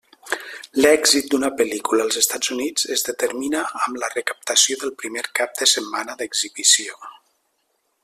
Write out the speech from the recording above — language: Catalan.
L'èxit d'una pel·lícula als Estats Units es determina amb la recaptació del primer cap de setmana d'exhibició.